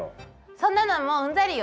そんなのはもううんざりよ！